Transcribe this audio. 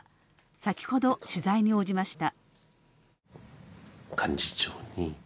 先ほど取材に応じました。